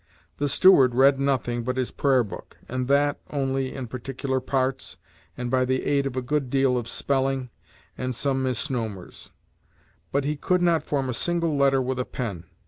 The steward read nothing but his prayer book, and that only in particular parts, and by the aid of a good deal of spelling, and some misnomers; but he could not form a single letter with a pen.